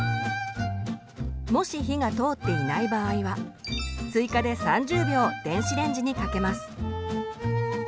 もし火が通っていない場合は追加で３０秒電子レンジにかけます。